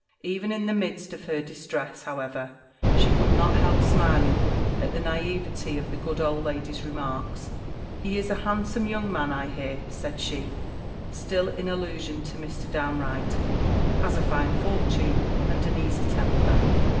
Even in the midst of her distress, however, she could not help smiling at the naïvete of the good old lady's remarks. "He is a handsome young man, I hear," said she, still in allusion to Mr. Downe Wright: "has a fine fortune, and an easy temper.